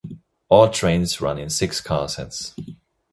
All trains run in six-car sets.